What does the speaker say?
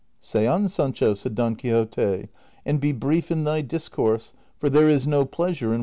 " Say on, Sancho," said Don Quixote, " and be brief in thy discourse, for there is no pleasure in one that is long."